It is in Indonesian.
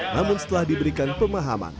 namun setelah diberikan pemahaman